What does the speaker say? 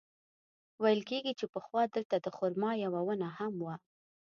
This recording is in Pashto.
ویل کېږي چې پخوا دلته د خرما یوه ونه هم وه.